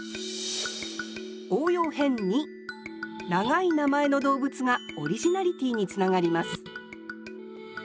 応用編２長い名前の動物がオリジナリティーにつながります